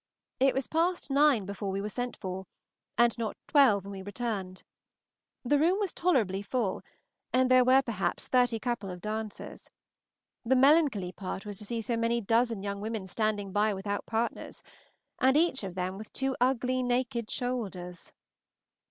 It was past nine before we were sent for, and not twelve when we returned. The room was tolerably full, and there were, perhaps, thirty couple of dancers. The melancholy part was to see so many dozen young women standing by without partners, and each of them with two ugly naked shoulders.